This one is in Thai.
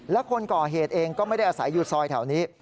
และคนก่อเหตุเองก็ไม่ได้อาศัยอยู่ซอยแถวนี้